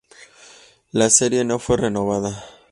La serie no fue renovada.